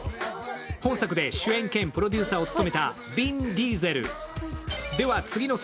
本作で主演兼プロデューサーを務めたヴィン・ディーゼル。